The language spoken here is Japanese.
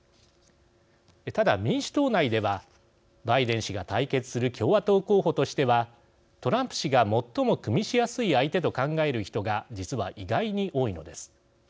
ただ、民主党内ではバイデン氏が対決する共和党候補としてはトランプ氏が最もくみしやすい相手と考える人が実は意外に多いのです。